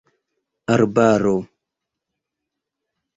arbaro